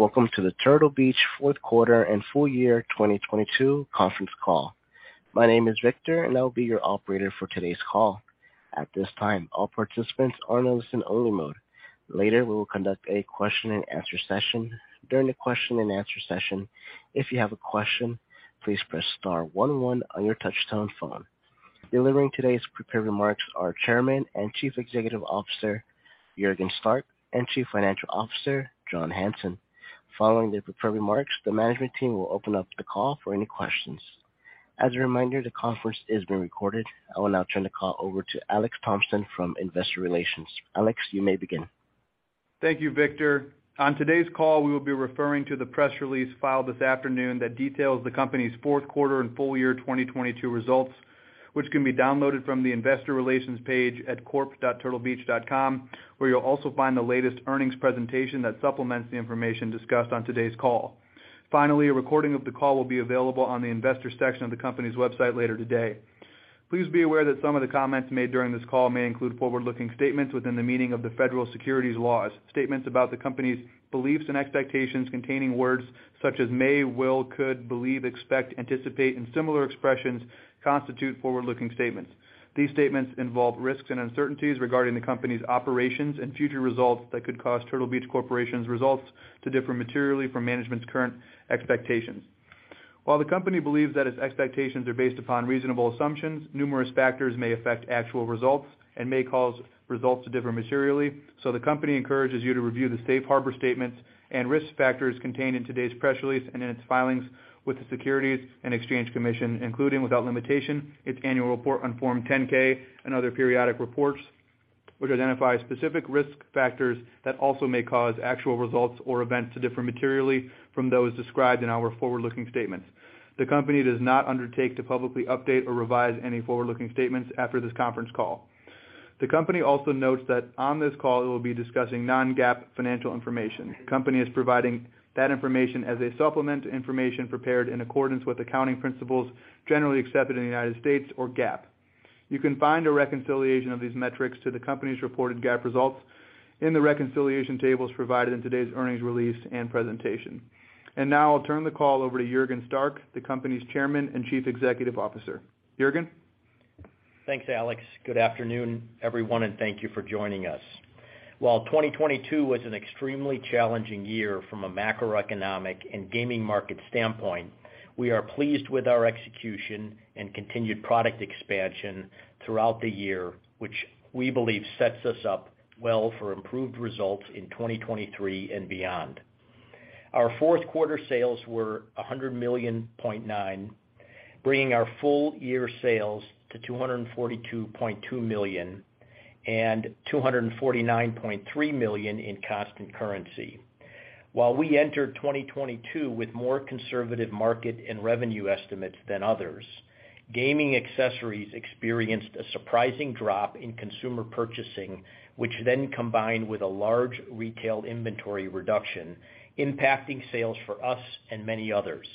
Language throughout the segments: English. Welcome to the Turtle Beach fourth quarter and full year 2022 conference call. My name is Victor and I will be your operator for today's call. At this time, all participants are in listen only mode. Later, we will conduct a question and answer session. During the question and answer session, if you have a question, please press star 11 on your touchtone phone. Delivering today's prepared remarks are Chairman and Chief Executive Officer, Juergen Stark, and Chief Financial Officer, John Hanson. Following the prepared remarks, the management team will open up the call for any questions. As a reminder, the conference is being recorded. I will now turn the call over to Alex Thompson from Investor Relations. Alex, you may begin. Thank you, Victor. On today's call, we will be referring to the press release filed this afternoon that details the company's fourth quarter and full year 2022 results, which can be downloaded from the investor relations page at corp.turtlebeach.com, where you'll also find the latest earnings presentation that supplements the information discussed on today's call. A recording of the call will be available on the investor section of the company's website later today. Please be aware that some of the comments made during this call may include forward-looking statements within the meaning of the Federal Securities laws. Statements about the company's beliefs and expectations containing words such as may, will, could, believe, expect, anticipate, and similar expressions constitute forward-looking statements. These statements involve risks and uncertainties regarding the company's operations and future results that could cause Turtle Beach Corporation's results to differ materially from management's current expectations. While the company believes that its expectations are based upon reasonable assumptions, numerous factors may affect actual results and may cause results to differ materially. The company encourages you to review the safe harbor statements and risk factors contained in today's press release and in its filings with the Securities and Exchange Commission, including, without limitation, its annual report on Form 10-K and other periodic reports, which identify specific risk factors that also may cause actual results or events to differ materially from those described in our forward-looking statements. The company does not undertake to publicly update or revise any forward-looking statements after this conference call. The company also notes that on this call, it will be discussing non-GAAP financial information. The company is providing that information as a supplement to information prepared in accordance with the accounting principles generally accepted in the United States, or GAAP. You can find a reconciliation of these metrics to the company's reported GAAP results in the reconciliation tables provided in today's earnings release and presentation. Now I'll turn the call over to Juergen Stark, the company's Chairman and Chief Executive Officer. Juergen. Thanks, Alex. Good afternoon, everyone. Thank you for joining us. While 2022 was an extremely challenging year from a macroeconomic and gaming market standpoint, we are pleased with our execution and continued product expansion throughout the year, which we believe sets us up well for improved results in 2023 and beyond. Our fourth quarter sales were $100.9 million, bringing our full-year sales to $242.2 million and $249.3 million in constant currency. While we entered 2022 with more conservative market and revenue estimates than others, gaming accessories experienced a surprising drop in consumer purchasing, which then combined with a large retail inventory reduction, impacting sales for us and many others.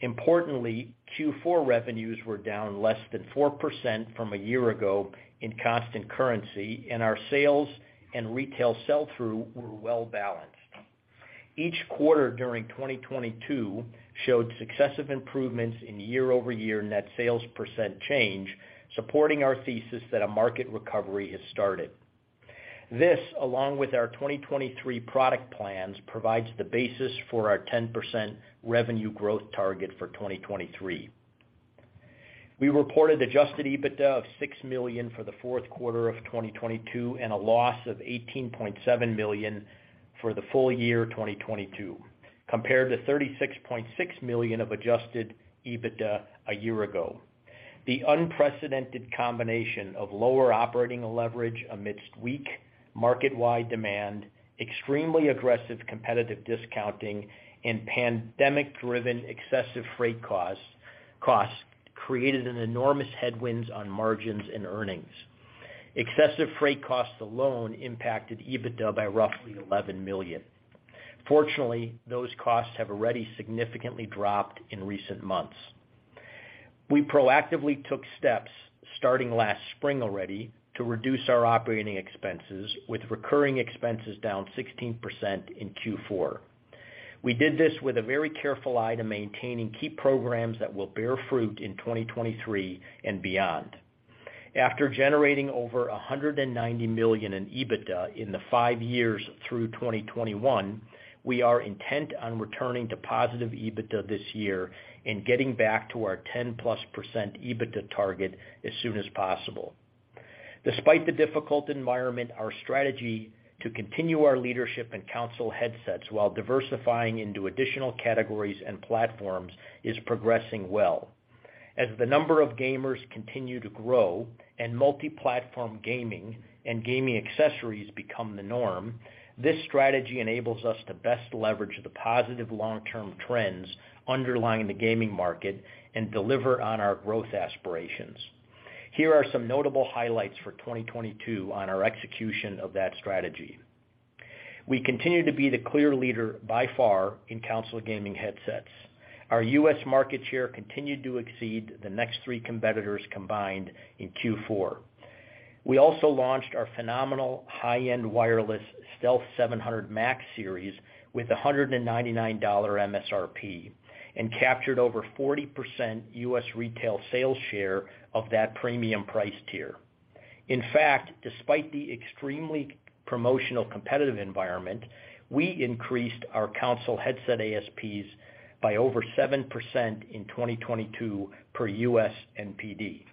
Importantly, Q4 revenues were down less than 4% from a year ago in constant currency, and our sales and retail sell-through were well balanced. Each quarter during 2022 showed successive improvements in year-over-year net sales percent change, supporting our thesis that a market recovery has started. This, along with our 2023 product plans, provides the basis for our 10% revenue growth target for 2023. We reported Adjusted EBITDA of $6 million for the fourth quarter of 2022 and a loss of $18.7 million for the full year 2022, compared to $36.6 million of Adjusted EBITDA a year ago. The unprecedented combination of lower operating leverage amidst weak market-wide demand, extremely aggressive competitive discounting, and pandemic-driven excessive freight costs created an enormous headwinds on margins and earnings. Excessive freight costs alone impacted EBITDA by roughly $11 million. Fortunately, those costs have already significantly dropped in recent months. We proactively took steps starting last spring already to reduce our operating expenses, with recurring expenses down 16% in Q4. We did this with a very careful eye to maintaining key programs that will bear fruit in 2023 and beyond. After generating over $190 million in EBITDA in the five years through 2021, we are intent on returning to positive EBITDA this year and getting back to our 10%+ EBITDA target as soon as possible. Despite the difficult environment, our strategy to continue our leadership in console headsets while diversifying into additional categories and platforms is progressing well. As the number of gamers continue to grow and multi-platform gaming and gaming accessories become the norm, this strategy enables us to best leverage the positive long-term trends underlying the gaming market and deliver on our growth aspirations. Here are some notable highlights for 2022 on our execution of that strategy. We continue to be the clear leader by far in console gaming headsets. Our U.S. market share continued to exceed the next three competitors combined in Q4. We also launched our phenomenal high-end wireless Stealth 700 Max series with a $199 MSRP and captured over 40% U.S. retail sales share of that premium price tier. In fact, despite the extremely promotional competitive environment, we increased our console headset ASPs by over 7% in 2022 per U.S. NPD.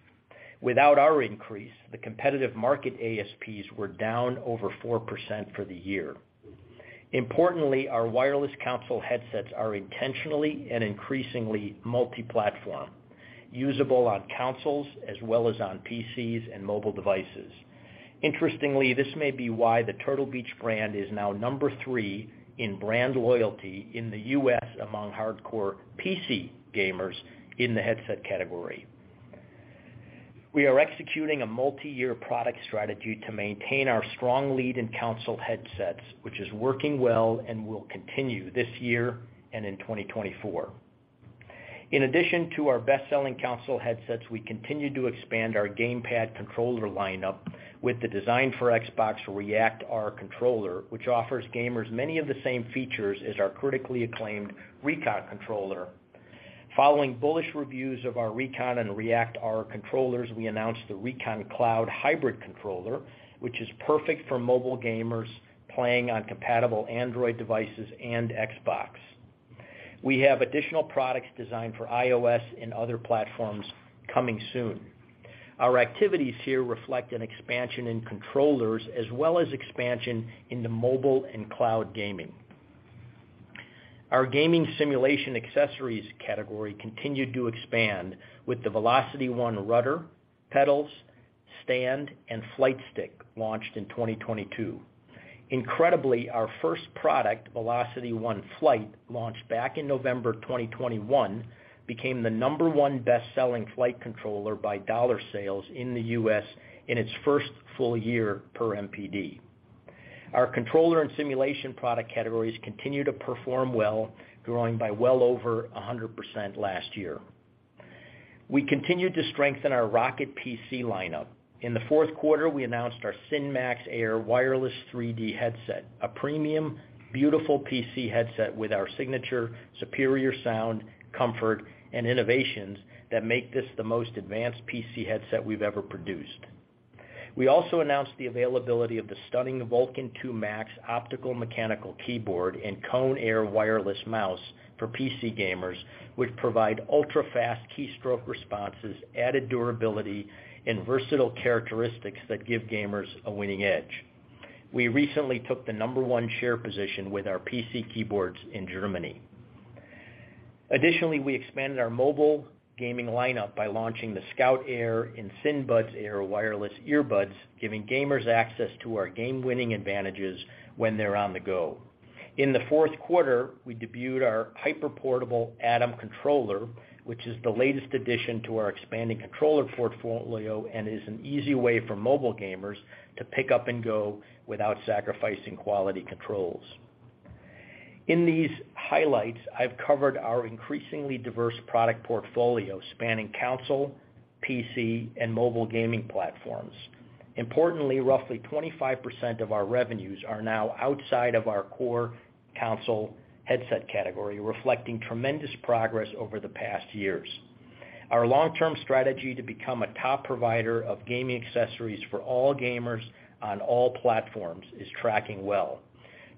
Without our increase, the competitive market ASPs were down over 4% for the year. Importantly, our wireless console headsets are intentionally and increasingly multi-platform, usable on consoles as well as on PCs and mobile devices. Interestingly, this may be why the Turtle Beach brand is now number three in brand loyalty in the U.S. among hardcore PC gamers in the headset category. We are executing a multi-year product strategy to maintain our strong lead in console headsets, which is working well and will continue this year and in 2024. In addition to our best-selling console headsets, we continue to expand our gamepad controller lineup with the design for Xbox REACT-R controller, which offers gamers many of the same features as our critically acclaimed Recon Controller. Following bullish reviews of our Recon and REACT-R controllers, we announced the Recon Cloud hybrid controller, which is perfect for mobile gamers playing on compatible Android devices and Xbox. We have additional products designed for iOS and other platforms coming soon. Our activities here reflect an expansion in controllers as well as expansion into mobile and cloud gaming. Our gaming simulation accessories category continued to expand with the VelocityOne Rudder, Pedals, Stand, and Flight Stick launched in 2022. Incredibly, our first product, VelocityOne Flight, launched back in November 2021, became the number one best-selling flight controller by dollar sales in the U.S. in its first full year per NPD. Our controller and simulation product categories continue to perform well, growing by well over 100% last year. We continued to strengthen our ROCCAT PC lineup. In the fourth quarter, we announced our Syn Max Air wireless 3D headset, a premium, beautiful PC headset with our signature superior sound, comfort, and innovations that make this the most advanced PC headset we've ever produced. We also announced the availability of the stunning Vulcan II Max optical mechanical keyboard and Kone Air wireless mouse for PC gamers, which provide ultra-fast keystroke responses, added durability, and versatile characteristics that give gamers a winning edge. We recently took the number one share position with our PC keyboards in Germany. Additionally, we expanded our mobile gaming lineup by launching the Scout Air and Syn Buds Air wireless earbuds, giving gamers access to our game-winning advantages when they're on the go. In the fourth quarter, we debuted our hyper-portable Atom controller, which is the latest addition to our expanding controller portfolio and is an easy way for mobile gamers to pick up and go without sacrificing quality controls. In these highlights, I've covered our increasingly diverse product portfolio spanning console, PC, and mobile gaming platforms. Importantly, roughly 25% of our revenues are now outside of our core console headset category, reflecting tremendous progress over the past years. Our long-term strategy to become a top provider of gaming accessories for all gamers on all platforms is tracking well.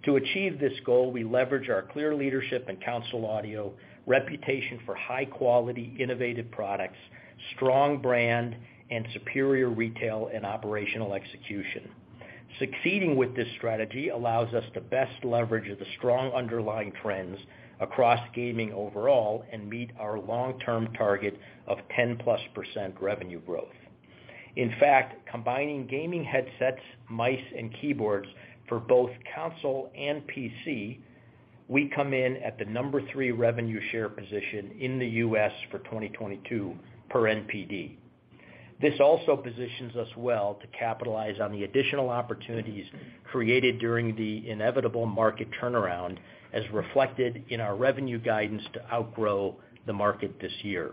To achieve this goal, we leverage our clear leadership in console audio, reputation for high-quality, innovative products, strong brand, and superior retail and operational execution. Succeeding with this strategy allows us to best leverage the strong underlying trends across gaming overall and meet our long-term target of 10+% revenue growth. Combining gaming headsets, mice, and keyboards for both console and PC, we come in at the number three revenue share position in the U.S. for 2022 per NPD. This also positions us well to capitalize on the additional opportunities created during the inevitable market turnaround, as reflected in our revenue guidance to outgrow the market this year.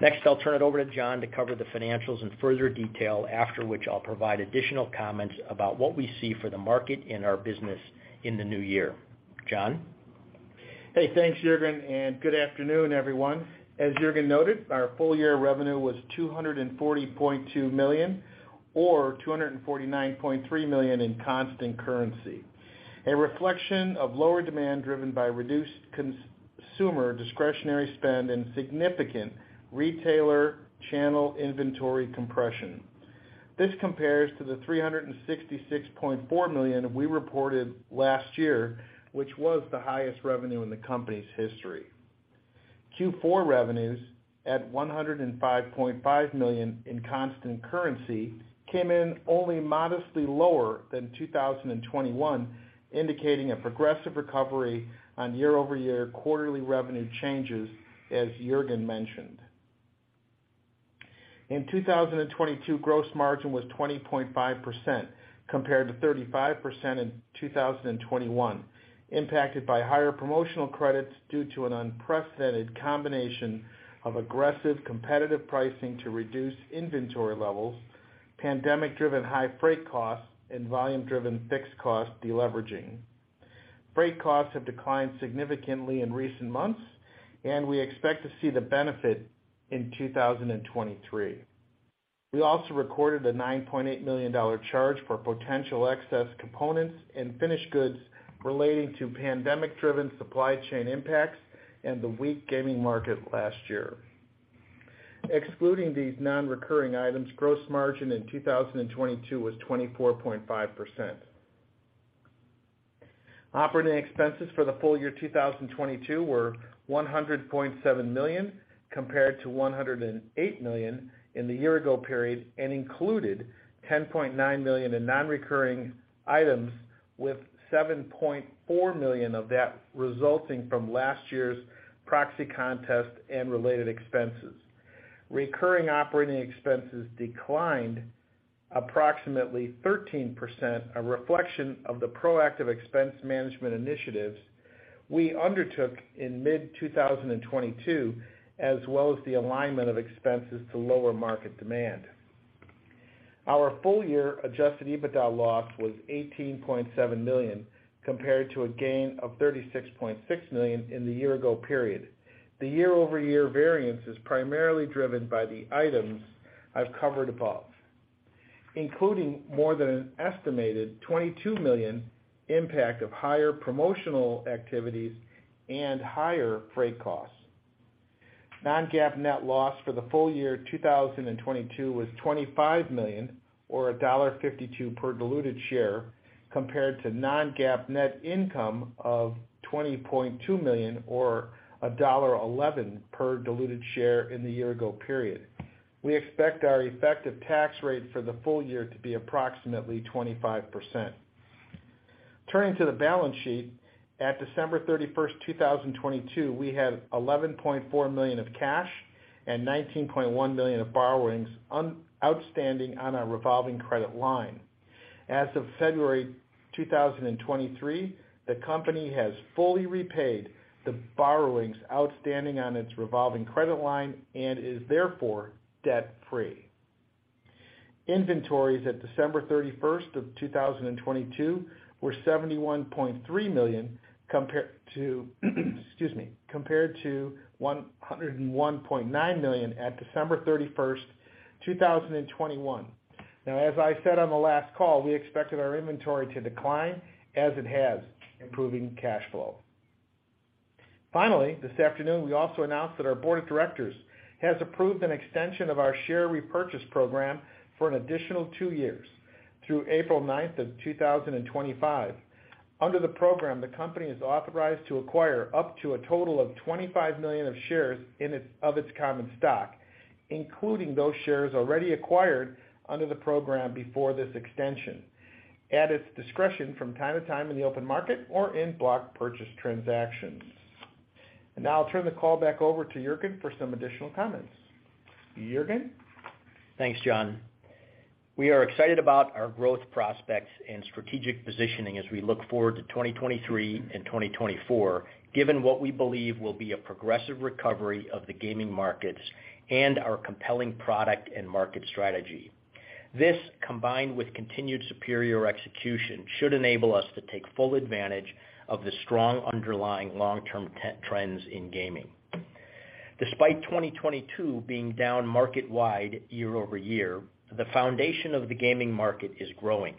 Next, I'll turn it over to John to cover the financials in further detail, after which I'll provide additional comments about what we see for the market and our business in the new year. John? Hey, thanks, Juergen, and good afternoon, everyone. As Juergen noted, our full-year revenue was $240.2 million or $249.3 million in constant currency, a reflection of lower demand driven by reduced consumer discretionary spend and significant retailer channel inventory compression. This compares to the $366.4 million we reported last year, which was the highest revenue in the company's history. Q4 revenues, at $105.5 million in constant currency, came in only modestly lower than 2021, indicating a progressive recovery on year-over-year quarterly revenue changes, as Juergen mentioned. In 2022, gross margin was 20.5%, compared to 35% in 2021, impacted by higher promotional credits due to an unprecedented combination of aggressive competitive pricing to reduce inventory levels, pandemic-driven high freight costs, and volume-driven fixed cost deleveraging. Freight costs have declined significantly in recent months. We expect to see the benefit in 2023. We also recorded a $9.8 million charge for potential excess components and finished goods relating to pandemic-driven supply chain impacts and the weak gaming market last year. Excluding these non-recurring items, gross margin in 2022 was 24.5%. Operating expenses for the full year 2022 were $100.7 million compared to $108 million in the year ago period and included $10.9 million in non-recurring items, with $7.4 million of that resulting from last year's proxy contest and related expenses. Recurring operating expenses declined approximately 13%, a reflection of the proactive expense management initiatives we undertook in mid-2022, as well as the alignment of expenses to lower market demand. Our full year Adjusted EBITDA loss was $18.7 million compared to a gain of $36.6 million in the year ago period. The year-over-year variance is primarily driven by the items I've covered above, including more than an estimated $22 million impact of higher promotional activities and higher freight costs. Non-GAAP net loss for the full year 2022 was $25 million or $1.52 per diluted share, compared to non-GAAP net income of $20.2 million or $1.11 per diluted share in the year-ago period. We expect our effective tax rate for the full year to be approximately 25%. Turning to the balance sheet, at December 31st, 2022, we had $11.4 million of cash and $19.1 million of borrowings un-outstanding on our revolving credit line. As of February 2023, the company has fully repaid the borrowings outstanding on its revolving credit line and is therefore debt-free. Inventories at December 31st, 2022, were $71.3 million compared to excuse me, compared to $101.9 million at December 31st, 2021. Now, as I said on the last call, we expected our inventory to decline as it has, improving cash flow. Finally, this afternoon we also announced that our board of directors has approved an extension of our share repurchase program for an additional two years through April 9th, 2025. Under the program, the company is authorized to acquire up to a total of $25 million of shares of its common stock, including those shares already acquired under the program before this extension, at its discretion from time to time in the open market or in block purchase transactions. Now I'll turn the call back over to Juergen for some additional comments. Juergen? Thanks, John. We are excited about our growth prospects and strategic positioning as we look forward to 2023 and 2024, given what we believe will be a progressive recovery of the gaming markets and our compelling product and market strategy. This, combined with continued superior execution, should enable us to take full advantage of the strong underlying long-term trends in gaming. Despite 2022 being down market wide year-over-year, the foundation of the gaming market is growing.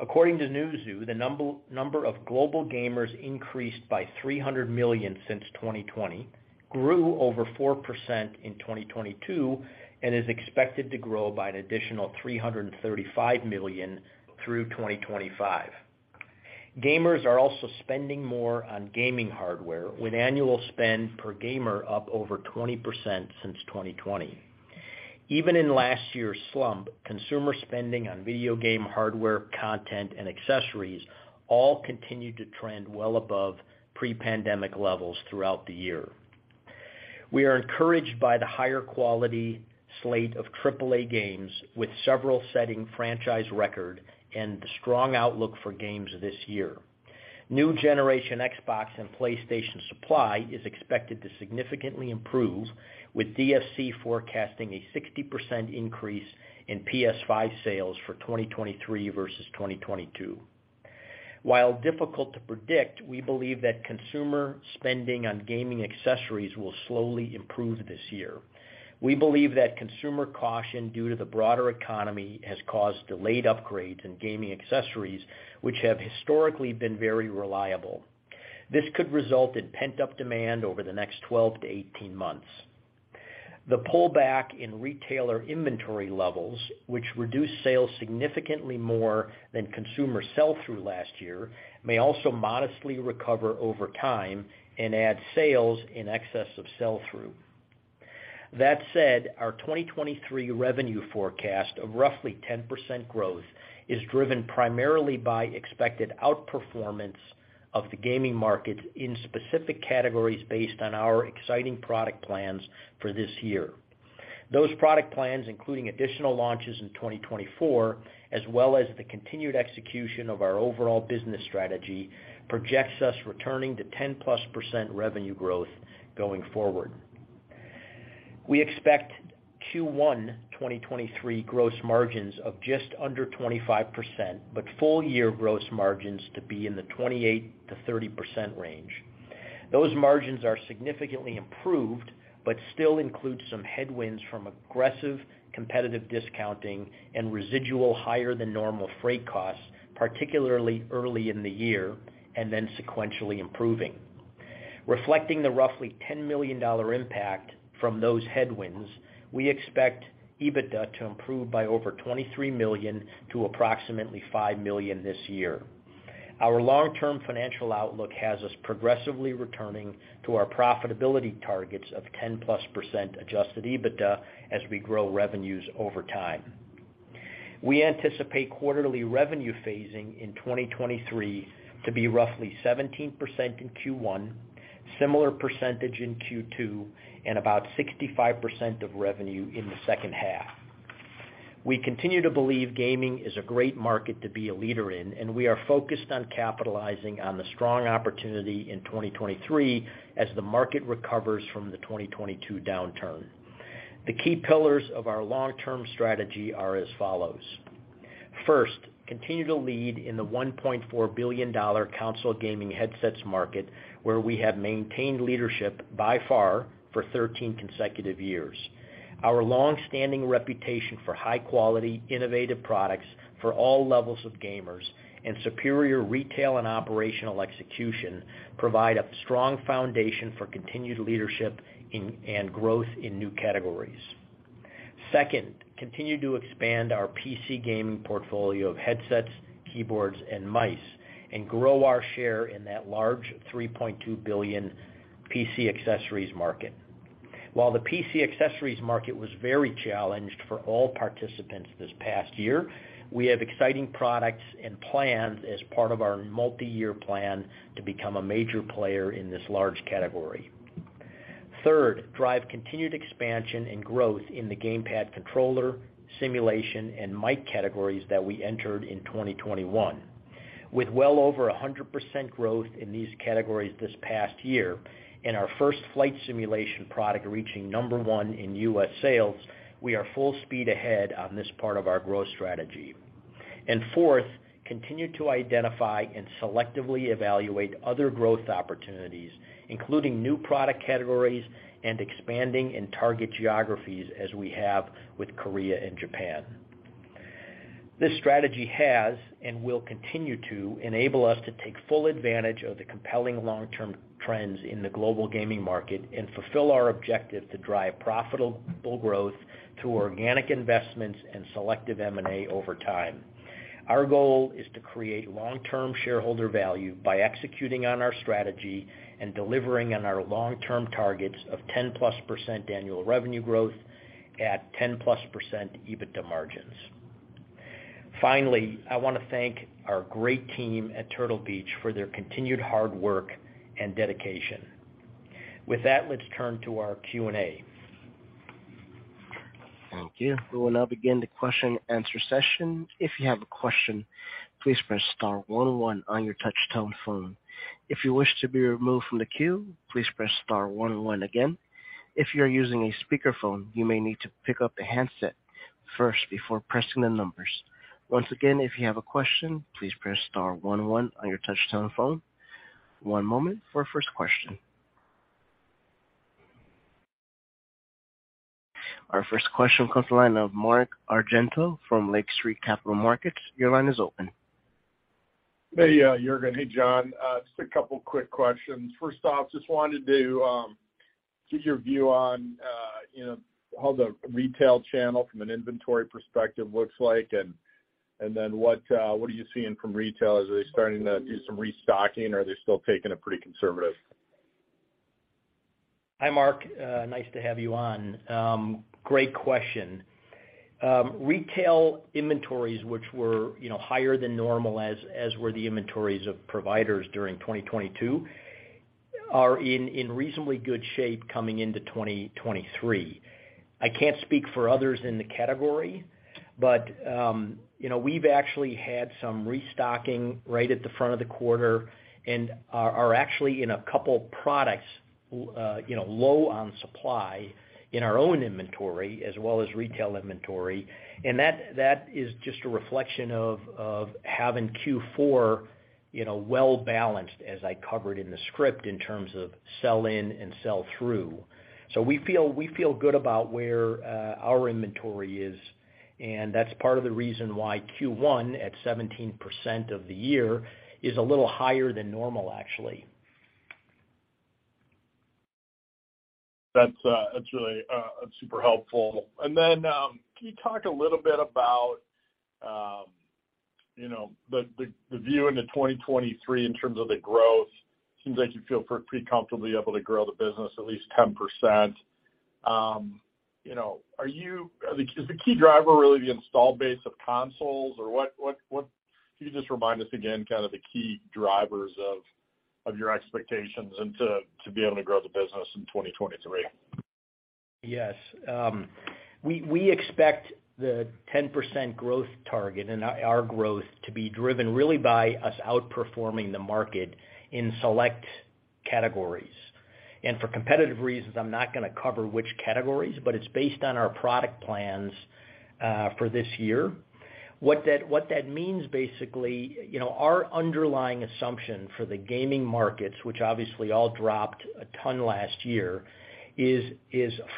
According to Newzoo, the number of global gamers increased by 300 million since 2020, grew over 4% in 2022, and is expected to grow by an additional 335 million through 2025. Gamers are also spending more on gaming hardware, with annual spend per gamer up over 20% since 2020. Even in last year's slump, consumer spending on video game hardware, content, and accessories all continued to trend well above pre-pandemic levels throughout the year. We are encouraged by the higher quality slate of AAA games, with several setting franchise record and the strong outlook for games this year. New generation Xbox and PlayStation supply is expected to significantly improve, with DFC forecasting a 60% increase in PS5 sales for 2023 versus 2022. While difficult to predict, we believe that consumer spending on gaming accessories will slowly improve this year. We believe that consumer caution due to the broader economy has caused delayed upgrades in gaming accessories, which have historically been very reliable. This could result in pent-up demand over the next 12 to 18 months. The pullback in retailer inventory levels, which reduced sales significantly more than consumer sell-through last year, may also modestly recover over time and add sales in excess of sell-through. Our 2023 revenue forecast of roughly 10% growth is driven primarily by expected outperformance of the gaming market in specific categories based on our exciting product plans for this year. Those product plans, including additional launches in 2024, as well as the continued execution of our overall business strategy, projects us returning to 10%+ revenue growth going forward. We expect Q1 2023 gross margins of just under 25%, but full-year gross margins to be in the 28%-30% range. Those margins are significantly improved, but still include some headwinds from aggressive competitive discounting and residual higher than normal freight costs, particularly early in the year and then sequentially improving. Reflecting the roughly $10 million impact from those headwinds, we expect EBITDA to improve by over $23 million to approximately $5 million this year. Our long-term financial outlook has us progressively returning to our profitability targets of 10+% Adjusted EBITDA as we grow revenues over time. We anticipate quarterly revenue phasing in 2023 to be roughly 17% in Q1, similar percentage in Q2, and about 65% of revenue in the second half. We continue to believe gaming is a great market to be a leader in, and we are focused on capitalizing on the strong opportunity in 2023 as the market recovers from the 2022 downturn. The key pillars of our long-term strategy are as follows. First, continue to lead in the $1.4 billion console gaming headsets market, where we have maintained leadership by far for 13 consecutive years. Our long-standing reputation for high quality, innovative products for all levels of gamers and superior retail and operational execution provide a strong foundation for continued leadership in, and growth in new categories. Second, continue to expand our PC gaming portfolio of headsets, keyboards and mice, and grow our share in that large $3.2 billion PC accessories market. While the PC accessories market was very challenged for all participants this past year, we have exciting products and plans as part of our multiyear plan to become a major player in this large category. Third, drive continued expansion and growth in the gamepad controller, simulation and mic categories that we entered in 2021. With well over 100% growth in these categories this past year and our first flight simulation product reaching number one in U.S. sales, we are full speed ahead on this part of our growth strategy. Fourth, continue to identify and selectively evaluate other growth opportunities, including new product categories and expanding in target geographies as we have with Korea and Japan. This strategy has and will continue to enable us to take full advantage of the compelling long-term trends in the global gaming market and fulfill our objective to drive profitable growth through organic investments and selective M&A over time. Our goal is to create long-term shareholder value by executing on our strategy and delivering on our long-term targets of 10%+ annual revenue growth at 10%+ EBITDA margins. Finally, I want to thank our great team at Turtle Beach for their continued hard work and dedication. With that, let's turn to our Q&A. Thank you. We will now begin the question-answer session. If you have a question, please press star one on your touch-tone phone. If you wish to be removed from the queue, please press star one one again. If you're using a speakerphone, you may need to pick up the handset first before pressing the numbers. Once again, if you have a question, please press star one on your touch-tone phone. One moment for our first question. Our first question comes the line of Mark Argento from Lake Street Capital Markets. Your line is open. Hey, Juergen. Hey, John. Just a couple of quick questions. First off, just wanted to get your view on how the retail channel from an inventory perspective looks like, and then what are you seeing from retail? Are they starting to do some restocking, or are they still taking a pretty conservative? Hi, Mark. nice to have you on. great question. retail inventories, which were higher than normal as were the inventories of providers during 2022, are in reasonably good shape coming into 2023. I can't speak for others in the category, but we've actually had some restocking right at the front of the quarter and are actually in a couple products low on supply in our own inventory as well as retail inventory. That is just a reflection of having Q4 well-balanced as I covered in the script in terms of sell-in and sell-through. We feel good about where our inventory is, and that's part of the reason why Q1 at 17% of the year is a little higher than normal, actually. That's, that's really, super helpful. Can you talk a little bit about the, the view into 2023 in terms of the growth? Seems like you feel pretty comfortably able to grow the business at least 10%. You know, is the key driver really the installed base of consoles? Can you just remind us again kind of the key drivers of your expectations and to be able to grow the business in 2023? Yes. We expect the 10% growth target and our growth to be driven really by us outperforming the market in select categories. For competitive reasons, I'm not gonna cover which categories, but it's based on our product plans for this year. What that means, basically our underlying assumption for the gaming markets, which obviously all dropped a ton last year, is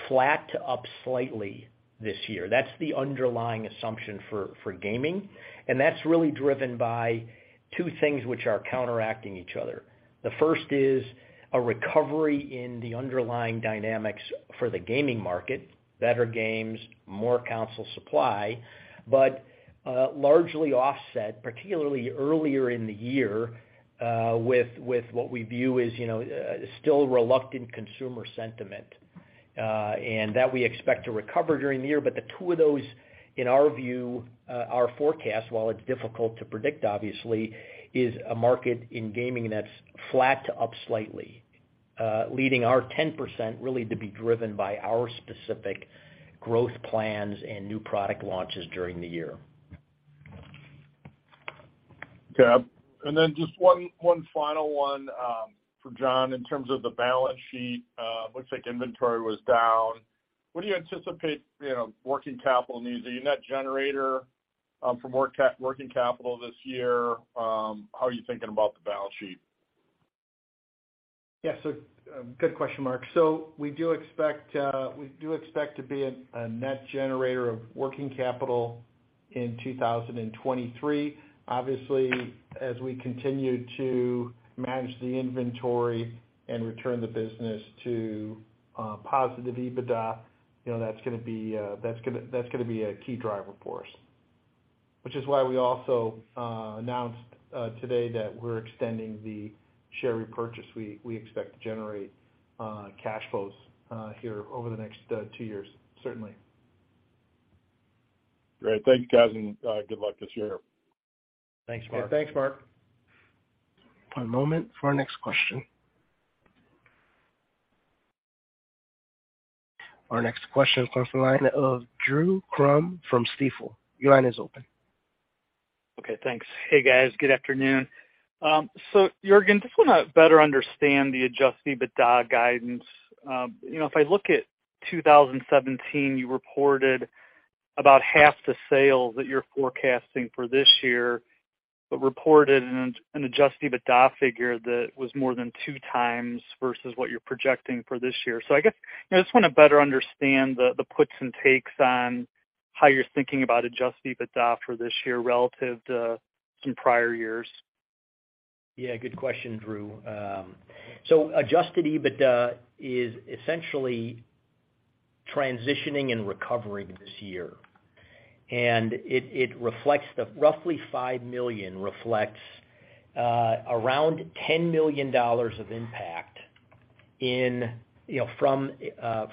flat to up slightly this year. That's the underlying assumption for gaming. That's really driven by two things which are counteracting each other. The first is a recovery in the underlying dynamics for the gaming market. Better games, more console supply. Largely offset, particularly earlier in the year, with what we view as still reluctant consumer sentiment, and that we expect to recover during the year. The two of those, in our view, our forecast, while it's difficult to predict obviously, is a market in gaming that's flat to up slightly, leading our 10% really to be driven by our specific growth plans and new product launches during the year. Okay. Just one final one, for John in terms of the balance sheet. Looks like inventory was down. What do you anticipate working capital needs? Are you a net generator, for working capital this year? How are you thinking about the balance sheet? Good question, Mark. We do expect to be a net generator of working capital in 2023. Obviously, as we continue to manage the inventory and return the business to positive ebitda that's gonna be a key driver for us. Which is why we also announced today that we're extending the share repurchase. We expect to generate cash flows here over the next two years, certainly. Great. Thanks, guys, and good luck this year. Thanks, Mark. Yeah, thanks, Mark. One moment for our next question. Our next question comes from the line of Drew Crum from Stifel. Your line is open. Okay, thanks. Hey, guys. Good afternoon. Juergen, just wanna better understand the Adjusted EBITDA guidance. you know, if I look at 2017, you reported about half the sales that you're forecasting for this year, but reported an Adjusted EBITDA figure that was more than 2x versus what you're projecting for this year. I guess I just wanna better understand the puts and takes on how you're thinking about Adjusted EBITDA for this year relative to some prior years. Yeah, good question, Drew Crum. Adjusted EBITDA is essentially transitioning and recovering this year. It reflects the roughly $5 million reflects around $10 million of impact in from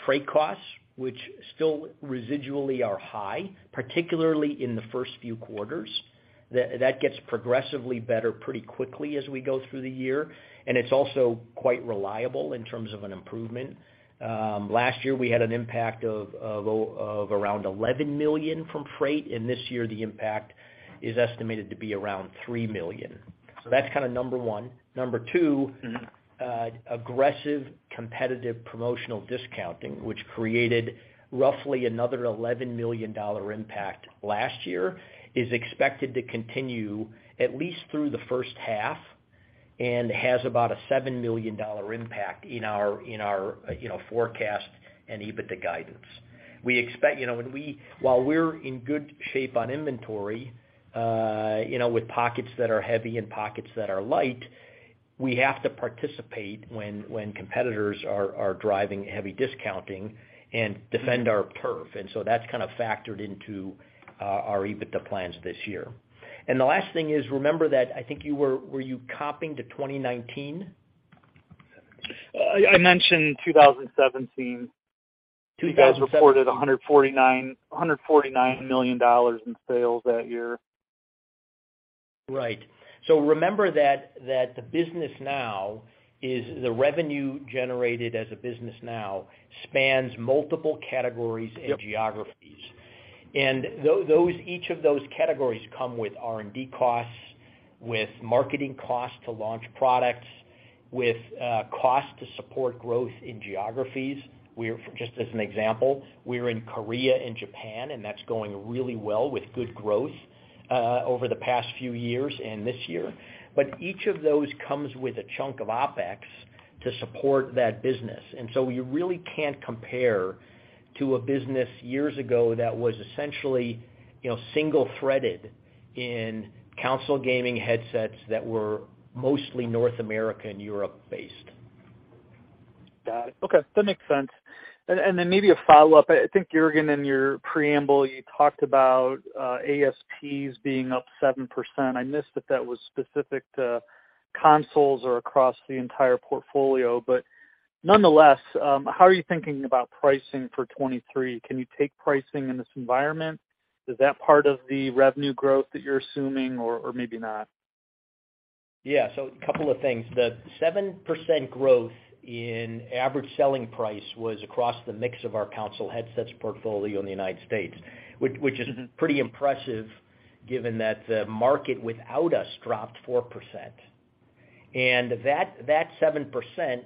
freight costs, which still residually are high, particularly in the first few quarters. That gets progressively better pretty quickly as we go through the year, and it's also quite reliable in terms of an improvement. Last year, we had an impact of around $11 million from freight. This year, the impact is estimated to be around $3 million. That's kinda number one. Number two- Mm-hmm. ...aggressive competitive promotional discounting, which created roughly another $11 million impact last year, is expected to continue at least through the first half and has about a $7 million impact in our, in our, forecast and EBITDA guidance. We expect while we're in good shape on inventory, with pockets that are heavy and pockets that are light, we have to participate when competitors are driving heavy discounting and defend our turf. That's kind of factored into our EBITDA plans this year. The last thing is, remember that I think you were. Were you copping to 2019? I mentioned 2017. 2017. You guys reported $149 million in sales that year. Right. Remember that the business now is the revenue generated as a business now spans multiple categories and geographies. Yep. Those, each of those categories come with R&D costs, with marketing costs to launch products, with cost to support growth in geographies. Just as an example, we're in Korea and Japan, and that's going really well with good growth over the past few years and this year. Each of those comes with a chunk of OpEx to support that business. You really can't compare to a business years ago that was essentially single-threaded in console gaming headsets that were mostly North America and Europe based. Got it. Okay. That makes sense. Then maybe a follow-up. I think, Juergen, in your preamble, you talked about ASPs being up 7%. I missed if that was specific to consoles or across the entire portfolio. Nonetheless, how are you thinking about pricing for 2023? Can you take pricing in this environment? Is that part of the revenue growth that you're assuming or maybe not? A couple of things. The 7% growth in average selling price was across the mix of our console headsets portfolio in the United States, which is pretty impressive given that the market without us dropped 4%. That 7%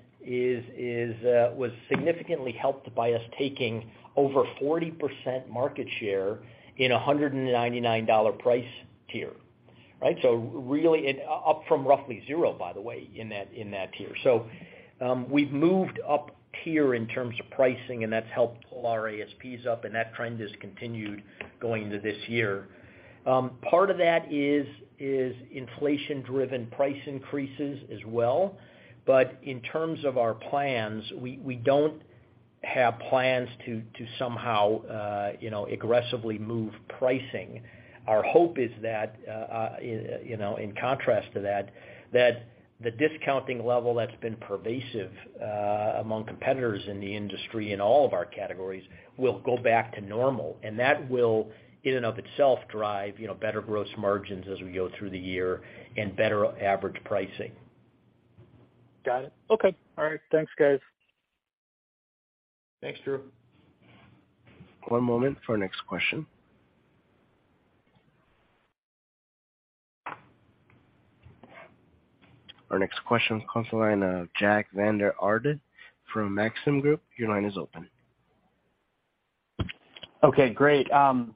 was significantly helped by us taking over 40% market share in a $199 price tier, right. Really up from roughly zero, by the way, in that tier. We've moved up tier in terms of pricing, and that's helped pull our ASPs up, and that trend has continued going into this year. Part of that is inflation-driven price increases as well. In terms of our plans, we don't have plans to somehow aggressively move pricing. Our hope is that in contrast to that the discounting level that's been pervasive among competitors in the industry in all of our categories will go back to normal. That will, in and of itself, drive better gross margins as we go through the year and better average pricing. Got it. Okay. All right. Thanks, guys. Thanks, Drew. One moment for our next question. Our next question comes from the line of Jack Vander Aarde from Maxim Group. Your line is open. Okay, great. I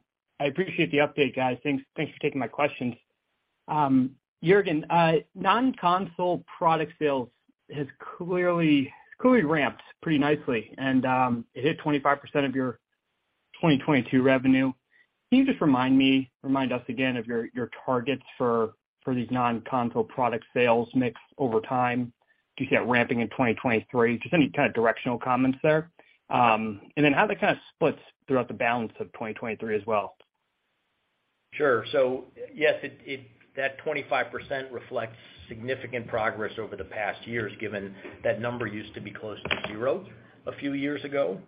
appreciate the update, guys. Thanks for taking my questions. Juergen, non-console product sales has clearly ramped pretty nicely and it hit 25% of your 2022 revenue. Can you just remind us again of your targets for these non-console product sales mix over time? Do you see that ramping in 2023? Just any kind of directional comments there. How that kind of splits throughout the balance of 2023 as well. Sure. Yes, it that 25% reflects significant progress over the past years, given that number used to be close to zero a few years ago.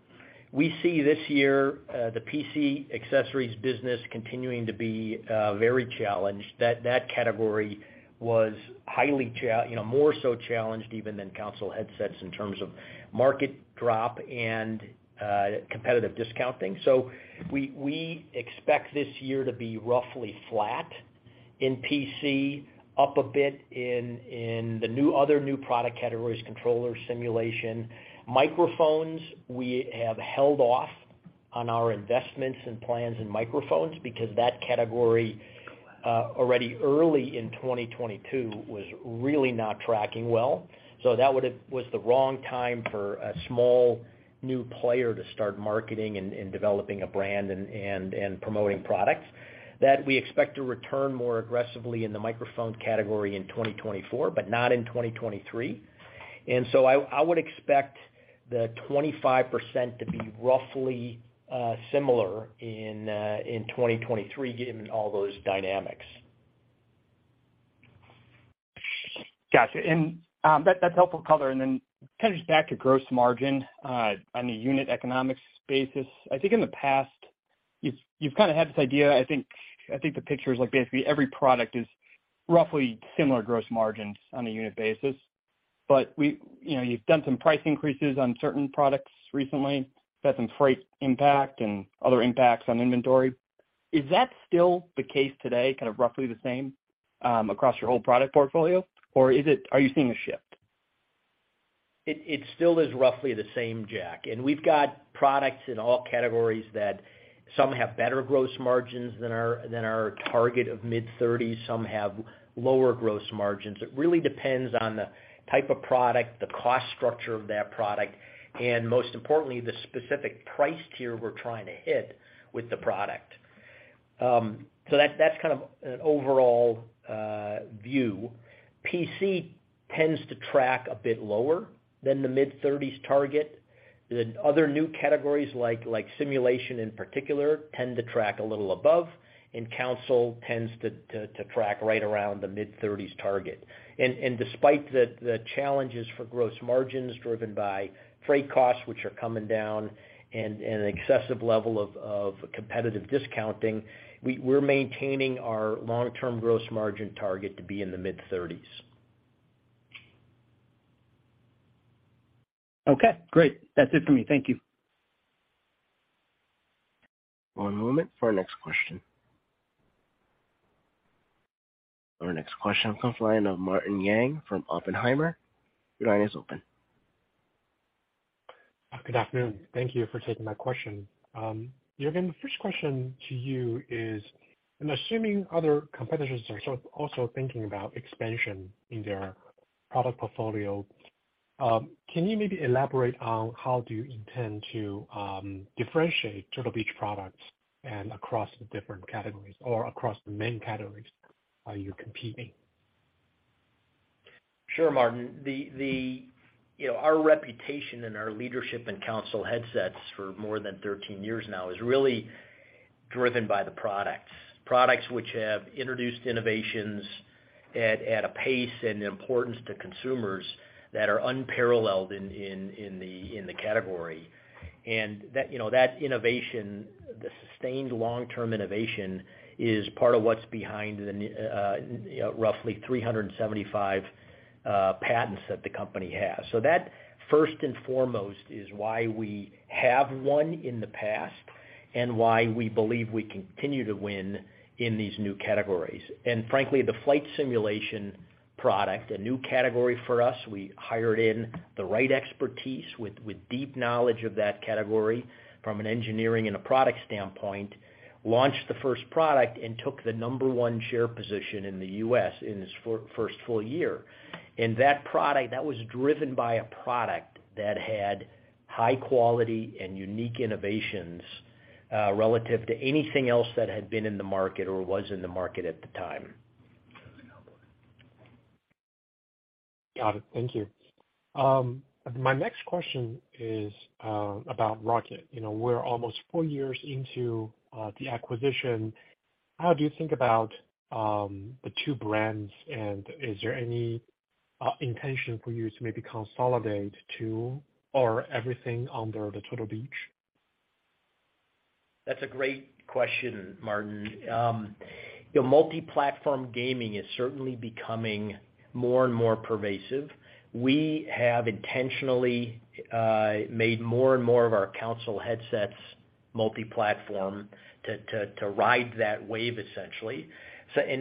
We see this year, the PC accessories business continuing to be very challenged. That category was highly you know, more so challenged even than console headsets in terms of market drop and competitive discounting. We expect this year to be roughly flat in PC, up a bit in other new product categories, controller simulation. Microphones, we have held off on our investments and plans in microphones because that category already early in 2022 was really not tracking well. That was the wrong time for a small new player to start marketing and developing a brand and promoting products. That we expect to return more aggressively in the microphone category in 2024, but not in 2023. I would expect the 25% to be roughly similar in 2023, given all those dynamics. Gotcha. That's helpful color. Then kind of just back to gross margin on a unit economics basis. I think in the past, you've kind of had this idea, I think the picture is like basically every product is roughly similar gross margins on a unit basis. You know, you've done some price increases on certain products recently, got some freight impact and other impacts on inventory. Is that still the case today, kind of roughly the same across your whole product portfolio? Or are you seeing a shift? It, it still is roughly the same, Jack. We've got products in all categories that some have better gross margins than our target of mid-thirties. Some have lower gross margins. It really depends on the type of product, the cost structure of that product, and most importantly, the specific price tier we're trying to hit with the product. That, that's kind of an overall view. PC tends to track a bit lower than the mid-thirties target. The other new categories like simulation in particular, tend to track a little above, and console tends to track right around the mid-thirties target. Despite the challenges for gross margins driven by freight costs, which are coming down and an excessive level of competitive discounting, we're maintaining our long-term gross margin target to be in the mid-thirties. Okay, great. That's it for me. Thank you. One moment for our next question. Our next question comes line of Martin Yang from Oppenheimer. Your line is open. Good afternoon. Thank you for taking my question. Juergen, the first question to you is, I'm assuming other competitors are sort of also thinking about expansion in their product portfolio. Can you maybe elaborate on how do you intend to differentiate Turtle Beach products and across the different categories or across the main categories are you competing? Sure, Martin. The you know, our reputation and our leadership in console headsets for more than 13 years now is really driven by the products. Products which have introduced innovations at a pace and importance to consumers that are unparalleled in the category. that that innovation, the sustained long-term innovation, is part of what's behind the you know, roughly 375 patents that the company has. So that, first and foremost, is why we have won in the past and why we believe we continue to win in these new categories. Frankly, the flight simulation product, a new category for us, we hired in the right expertise with deep knowledge of that category from an engineering and a product standpoint, launched the first product and took the number one share position in the U.S. in its first full year. That product was driven by a product that had high quality and unique innovations relative to anything else that had been in the market or was in the market at the time. Got it. Thank you. My next question is about ROCCAT. You know, we're almost four years into the acquisition. How do you think about the two brands and is there any intention for you to maybe consolidate to or everything under the Turtle Beach? That's a great question, Martin. You know, multi-platform gaming is certainly becoming more and more pervasive. We have intentionally made more and more of our console headsets multi-platform to ride that wave essentially.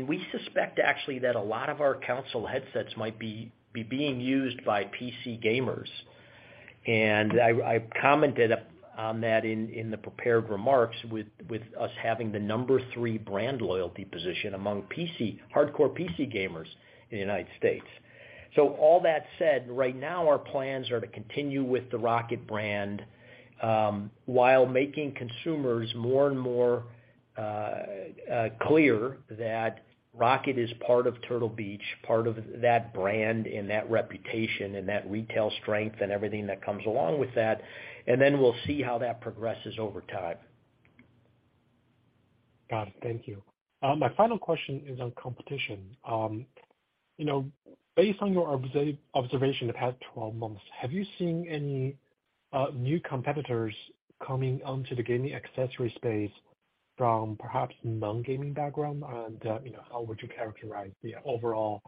We suspect actually that a lot of our console headsets might be being used by PC gamers. I commented up on that in the prepared remarks with us having the number three brand loyalty position among PC, hardcore PC gamers in the United States. All that said, right now our plans are to continue with the ROCCAT brand, while making consumers more and more clear that ROCCAT is part of Turtle Beach, part of that brand and that reputation and that retail strength and everything that comes along with that. Then we'll see how that progresses over time. Got it. Thank you. My final question is on competition. You know, based on your observation the past 12 months, have you seen any new competitors coming onto the gaming accessory space from perhaps non-gaming background? You know, how would you characterize the overall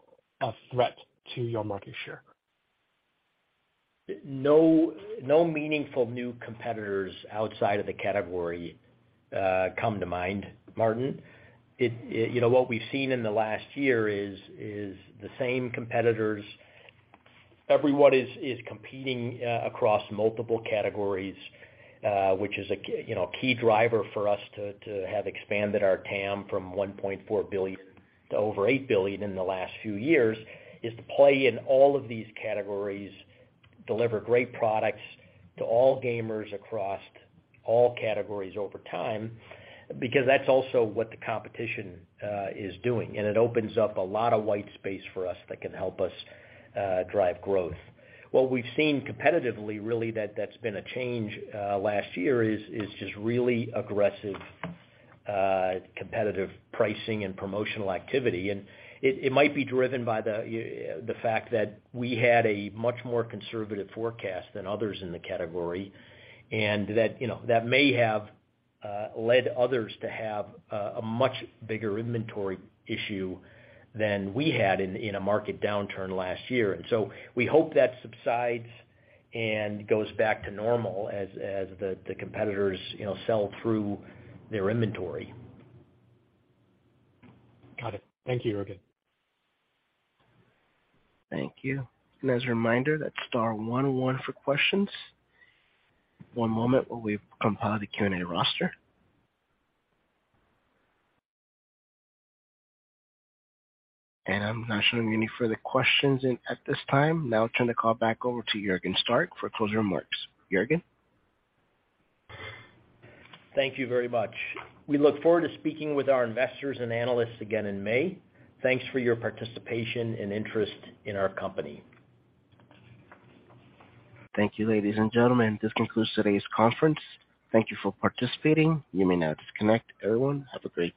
threat to your market share? No, no meaningful new competitors outside of the category come to mind, Martin. it what we've seen in the last year is the same competitors. Everyone is competing across multiple categories, which is a key driver for us to have expanded our TAM from $1.4 billion to over $8 billion in the last few years, is to play in all of these categories, deliver great products to all gamers across all categories over time, because that's also what the competition is doing. It opens up a lot of white space for us that can help us drive growth. What we've seen competitively, really, that's been a change last year is just really aggressive competitive pricing and promotional activity. It might be driven by the fact that we had a much more conservative forecast than others in the category, and that that may have led others to have a much bigger inventory issue than we had in a market downturn last year. We hope that subsides and goes back to normal as the competitors sell through their inventory. Got it. Thank you, Juergen. Thank you. As a reminder, that's star one one for questions. One moment while we compile the Q&A roster. I'm not showing any further questions in at this time. Now I'll turn the call back over to Juergen Stark for closing remarks. Juergen? Thank you very much. We look forward to speaking with our investors and analysts again in May. Thanks for your participation and interest in our company. Thank you, ladies and gentlemen. This concludes today's conference. Thank you for participating. You may now disconnect. Everyone, have a great day.